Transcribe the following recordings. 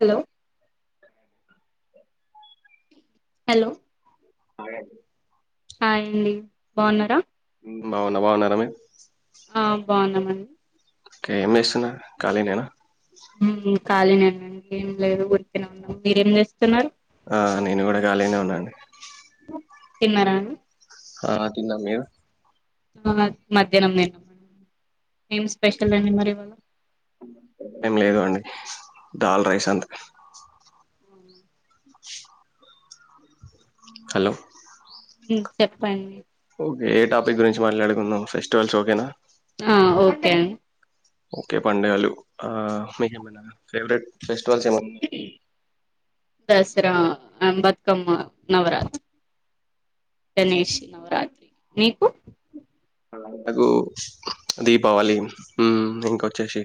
Hello hello hi అండీ hi అండి బాగున్నారా బావున బాగున్నర మీర్ ఆ బాగున్నామండి ఒకే ఏం జేస్తున్నారు ఖాళీ నేనా ఊ కాలీనేనండి ఏం లేదు ఊర్కనే ఉన్నం మీరేం చేస్తున్నారు ఆ నేను కూడా ఖాళీనే ఉన్నా అండీ తిన్నారా ఆ తిన్నం మీరు. మధ్యాహ్నం నేను, ఏం స్పెషల్ అండి మరి ఇవాళ. ఏం లేదు అండి, దాల్ రైస్ అంత. [unintelligible] హలో మీరు చెప్పండి. ఓకే ఏ టాపిక్ గురించి మాట్లాడుకుందం ఫెస్టివల్స్ ఓకేనా. ఆ ఓకే అండి. ఓకే పడుగలు ఆ మీకు ఫేవరెట్. ఫెస్టివల్స్ ఏమైనా దసరా, బతుకమ్మ, నవరాత్రి. గణేష్ నవరాత్రి నీకు. నాకు దీపావళి, హ్మ్ ఇంకొచ్చేసి.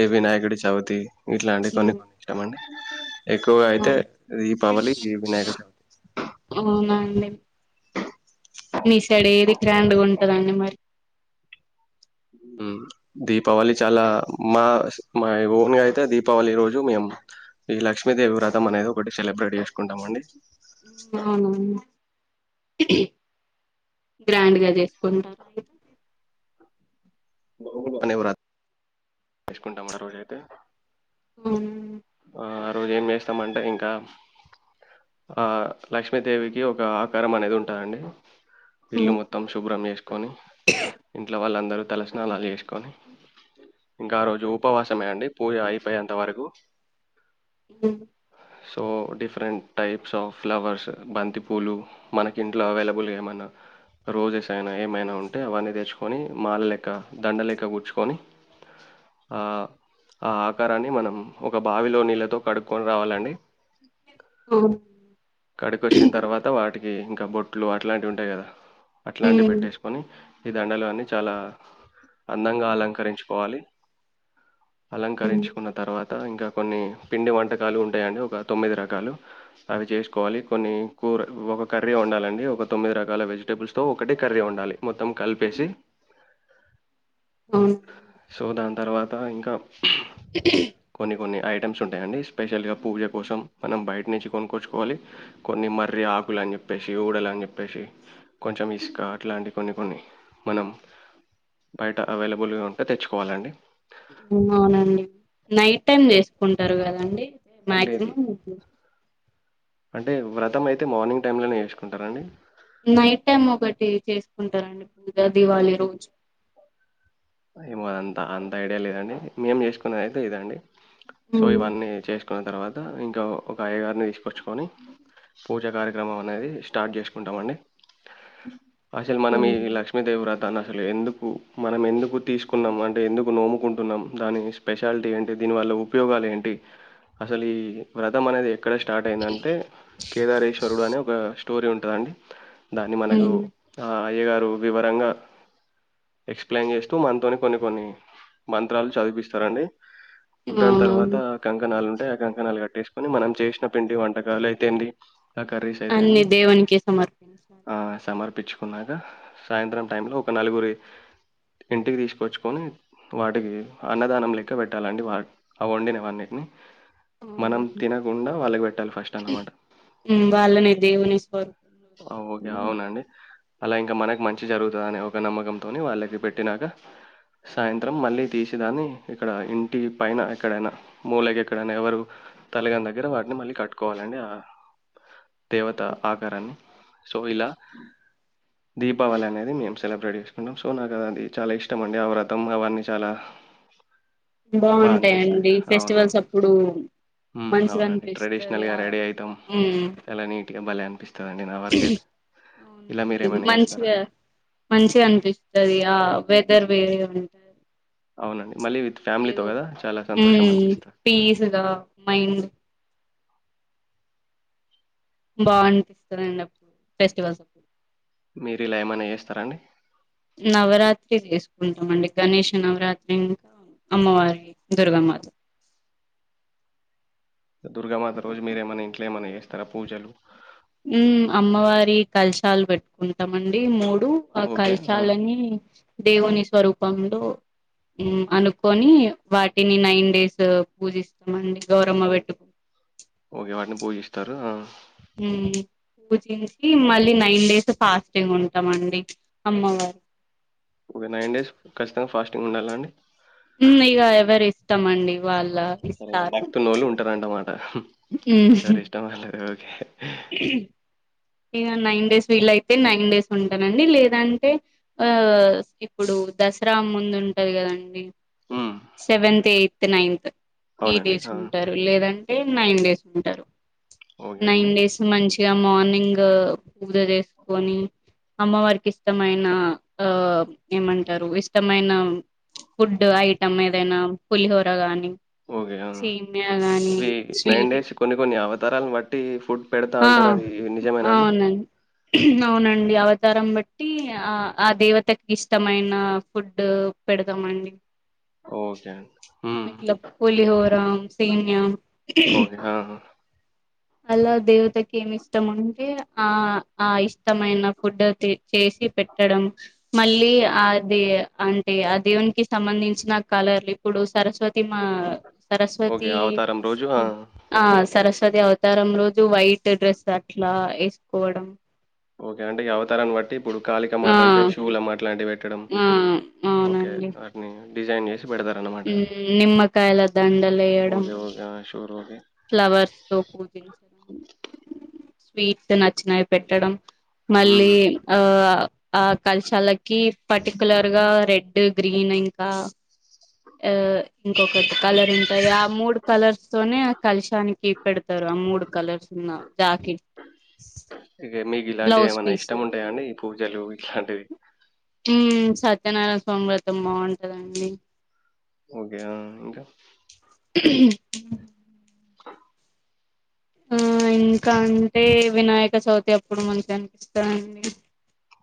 ఏ వినాయకడి చవితి. ఇట్లా అంటివి మ్మ్, కొన్ని కొన్ని ఇష్టం అండి, ఎక్కువగా అయితే అవును. ఈ దీపావళి ఈ వినాయక. [unintelligible] మీ సైడ్ ఏది గ్రాండ్ గా ఉంటందండి మరి. దీపావళి చాలా మా మా ఓన్ గా అయితే దీపావళి రోజు మేము. ఈ లక్ష్మీదేవి వ్రతం అనేది ఒకటి సెలబ్రేట్ చేసుకుంటాం అండి. [unintelligible] ఏంటి గ్రాండ్ గా చేసుకుంటారా అండి. [unintelligible] ఉమ్ ఆ రోజు ఏం చేస్తామంటే ఇంకా. ఆ లక్ష్మీదేవికి ఒక ఆకారం అనేది ఉంటాది అండి. ఇల్లు మ్మ్. మొత్తం శుభ్రం వేసుకొని ఇంట్లో వాళ్ళ. అందరు తలస్నానాలు చేసుకొని. ఇంకా రోజు ఉపవాసమే అండి పూజ అయిపోయేంత వరకు. హ్మ్. So different types of flowers బంతిపూలు మనకి ఇంట్లో అవైలేబుల్ గా ఏమన్నా. రోజెస్ అయినా ఏమైనా ఉంటే అవన్నీ తెచ్చుకొని మాల లెక్క దండ లెక్క గుచుకొని. ఆ ఆ ఆకారాన్ని మనం. ఒక బావిలో నీళ్ళతో కడుక్కొని రావాలండి. హ్మ్. కడికొచ్చిన తర్వాత వాటికి ఇంకా బొట్లు అట్లాంటివి ఉంటాయి కదా. అట్లాంటివి హ్మ్. పెట్టేసుకొని. ఈ దండలు అన్నీ చాలా అందంగా అలంకరించుకోవాలి. హ్మ్. అలంకరించుకున్న తర్వా. త ఇంకా కొన్ని పిండి వంటకాలు ఉంటాయి. అండి ఒక తొమ్మిది రకాలు అవి చేసుకోవాలి. కొన్ని. ఒక కర్రీ ఉండాలండి. ఒక తొమ్మిది రకాల వెజిటబుల్స్ తో ఒకటి కర్రీ ఉండాలి. మొత్తం కలిపేసి. అవును. సో దాని తర్వాత ఇంకా. హు హు. కొన్ని కొన్ని ఐటమ్స్ ఉంటాయి. అండి స్పెషల్ గా పూజ కోసం మనం బయట నుంచి కొనుకోచువాలి. కొన్ని మరి. చాకులు అని చెప్పేసి ఊడల అని చెప్పేసి. కొంచం ఇసుక అట్లాంటి కొన్ని కొన్ని మనం. బయట అవైలేబుల్ గా ఉంటే తెచ్చుకోవాలండి. అవునండి, నైట్ టైమ్ చేసుకుంటారు కదాండి. లేదు మాక్సిమం. అంటే వ్రతం అయితే మార్నింగ్ టైమ్ లోనే వేసుకుంటారు అండి. నైట్ టైం ఒకటి చేసుకుంటారండి. పూజ దీవాళి రోజు. ఏమో అదంతా అంత ఐడియా లేదండి మేం చేస్కునేద్ అయితే ఇదండి. సో హ్మ్. ఇవన్నీ చేస్కున్న తర్వాత ఇంకా ఒక అయ్యగార్నీ తీస్కొచ్చుకొని పూజా కార్యక్రమం అనేది స్టార్ట్ చేస్కుంటమండి. అసలు మనం ఈ అవును. లక్ష్మీదేవి వ్ర అసలు ఎందుకు మనం ఎందుకు తీసుకున్నాం అంటే ఎందుకు నోము. కుంటున్నాం దాని స్పెషాలిటీ ఏంటి దీని వల్ల ఉపయోగాలు ఏంటి? అసలీ వ్రతం అనేది ఎక్కడ స్టార్ట్ అయిందంటే కేదారేశ్వరుడు అనే ఒక స్టోరీ ఉంటదండి దాన్ని మనకు హ్మ్. ఆ అయ్యగారు వివరంగా ఎక్స్ఫ్లయిన్ చేస్ తు మన్తోని కొన్ని కొన్ని మంత్రాలు చదిపిస్తారండి. దాన్ తర్వాత అవునవును కంకణాల్ ఉంటే ఆ కంకణాల్ కట్టేస్కుని మనం చేసిన పిండి వంటకాలు అయితే ఏంది కర్రీస్ అన్ని అయితేంది దేవునికి సమర్పించాలి ఆ సమర్ పప్పించుకున్నాక సాయంత్రం టైమ్లో ఒక నలుగురి ఇంటికి తీస్కొచ్చుకొని వాటికి అన్నదానం లెక్క పెట్టాలండి వా ఆ వండినవన్నీటిని. మనం అవును తినకుండా వాళ్ళక్ పెట్టాలె ఫస్ట్ అన్నమాట. వాళ్ళని దేవుని స్వరూపంలో ఆ ఓకే అవునండి. అలా ఇంకా మనక్ మంచి జరుగుతదనే ఒక నమ్మకంతోని వాళ్ళకి పెట్టినాక.. సాయంత్రం మళ్ళీ తీసిదాన్ని ఇక్కడ ఇంటి పైన ఎక్కడైనా మూలకి ఎక్కడైనా ఎవరు తలగని దగ్గర వాటిని మళ్ళీ కట్టుకోవాలండి ఆ దేవత ఆకారాన్ని. సో ఇలా దీపావళి అనేది మేం సెలబ్రేట్ చేస్కుంటాం. సో నాక్ అది చాలా ఇష్టం అండి ఆ వ్రతం అవన్నీ చాలా హా. బాగుంటయండి. ఫెస్టివల్స్ అప్పుడూ మ్ అవునండి ట్రెడిషనల్గా రెడీ అయితాం. హ్మ్. చాలా నీట్గా భలే అనిపిస్త నా వరకైతే అవునండి మీరేమైనా చేస్తారా? మంచిగా మంచిగ అనిపిస్తది ఆ వె దర్ వేరే ఉంట అవునండి. మళ్ళీ విత్ ఫ్యామిలీతో ఏదో గదా! చాలా సంతోషం అనిపిస్తది. పీస్గా మైండ్ బాగుంటదండి. అప్పుడు ఫెస్టివల్స్ అప్పుడు మీరిలా ఏమైనా చేస్తారా అండి నవరాత్రి చేస్కుంటమండి. గణేష్ నవరాత్రి అమ్మవారి దుర్గమాత దుర్గామాత రోజు మీరేమన్న ఇంట్ల ఏమన్నా చేస్తారా పూజలు మ్ అమ్మవారి కల్శాలు పెట్టుకుంటమండి. మూ డు ఆ ఓకే. ఆ! కల్శాలన్నీ దేవుని స్వరూపంలో అనుకొని వాటిని నైన్ డేస్ పూజిస్తామండి గౌరమ్మ పెట్టుకొ తరు. ఆ ఉమ్ పూజించి మళ్ళీ నైన్ డేస్ ఫాస్టింగ్ ఉంటమండి. అమ్మవార్ ఒక నైన్ డేస్ ఖచ్చితంగా ఫాస్టింగ్ ఉండాల అండి మ్ ఇగ ఎవరిష్టంమండి వాళ్ భక్తున్నోళ్లు ఉంటరంటమాట ఉమ్ ఎవరి ఇష్టం వాళ్ళది ఓకే ఇగ నైన్ డేస్ వీలైతే నైన్ డేస్ ఉంటనండి లేదంటే ఆ ఇప్పుడు దసరా ముందు ఉంటది కదండి హ్మ్. Seventh, eighth, ninth. ఈ అవునండి. డేస్ ఆ! ఉంటరు లేదంటే నైన్ డేస్ ఉంటరు. ఓకే నైన్ అండి. డేస్ మంచిగా మార్నింగ్ పూజ చేస్కొని అమ్మవారికి ఇష్టమైన ఆ ఏమంటరు ఇష్టమైన ఫుడ్ ఐటమ్ ఏదైనా పులిహోర గాని ఓకే అవును. సేమియా గాని ఇవి నైన్ స్వీట్ డేస్ కొన్ని కొన్ని అవతారాలను బట్టి ఫుడ్, పెడతా ఆ అంటారు. అది నిజమేనా అండి? అవునండి, అవునండి అవత్, అవతారం బట్టి ఆ ఆ దేవతకి ఇష్టమైన ఫుడ్ పెడతామ అండి. ఓకే అండి. హ్మ్. ఇట్ల పులిహోర, సనియా ఓకే. ఆహా! అలాగ్ దేవతకి ఏమి ఇష్టం ఉంటే, ఆ ఆ ఇష్టమైన ఫుడ్ చేసి పెట్టడం. మళ్ళీ అది అంటే ఆ దేవునికిి సంబంధించిన కలర్లు ఇప్పుడు సరస్వతి, సరస్వతి మా ఓకే. సరస్వతి అవతారం రోజు ఆ! ఆ సరస్వతి అవతారం రోజ్ టు వైట్ డ్రెస్ అట్లా వేసుకోవడం. ఓకే అంటే అవతారన్ని బట్టి ఇప్పుడు, ఆ కాళికామాత అంటే శుల్లాం అట్లాంటివి పెట్టడం. ఆ ఓకే అవునండి వాటిని డిజైన్ చేస్, నిమ్మకాయల దాండల ఏయడం. ఓకే. ఓకే. ఆ! Sure okay. ఫ్లవర్స్ తో పూజించ్, స్వీట్స్ నచ్చినవి పెట్టడం. హ్మ్. మళ్ళీ ఆ ఆ కలశాలకి పర్టికులర్ గా రెడ్ గ్రీన్ ఇంకా, ఆ ఇంకొకటి కలర్ ఉంటాది. ఆ మూడు కలర్స్ తోనే, కలిశానికి పెడతారు ఆ మూడు కలర్స్ ఉన్నా జాకెట్ స్ ఇలాంటివి ఏమన్నా ఇష్టం ఉంటాయా అండి. ఈ పూజలు ఇట్లాంటివి. హుమ్మ్ సత్యనారాయణ స్వామి వ్రతం బాగుంటందండి. ఓకే. ఆ! ఇంకా ఆ ఇంకా అంటే వినాయక చవితి, అప్పుడు మంచిగా అనిపిస్తాండి.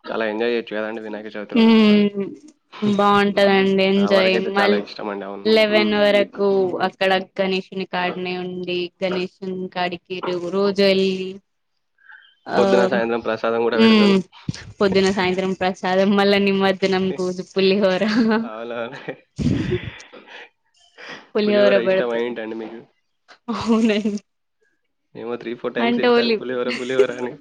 చాలా ఎంజాయ్ చేయొచ్చు కదండీ వినాయక చవితి రోజు. ఉహ్మ్ బాగుంటందండి నా ఎంజాయ్ వరకైతే చాలా మల్ ఇష్టమండి. అవును. లె హ్మ్. లెవన్ వరకు అక్కడ గణేషుని కాడనే ఉండి గణేషని కాడికి రోజు వెళ్ళి ఆ పొద్దున, సాయంత్రం ప్రసాదం గూడా పెడతారు. ఉమ్ పొద్దున్న సాయంత్రం ప్రసాదం మళ్ళ నిమర్జనం రోజు పులి హోరా అవునవును. పులిహోర ఇష్టమా ఏంటండీ మీకు అవునండి ఏమో త్రీ ఫోర్ టైమ్స్ అంటే చేప్పారు ఓలి పులిహోర పులిహోర అని